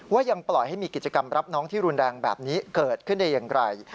ยังปล่อยให้มีกิจกรรมรับน้องที่รุนแรงแบบนี้เกิดขึ้นได้อย่างไร